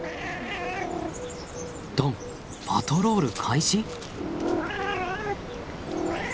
ドンパトロール開始？